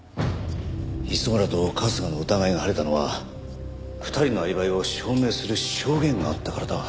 磯村と春日の疑いが晴れたのは２人のアリバイを証明する証言があったからだ。